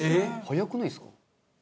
「早くないですか？」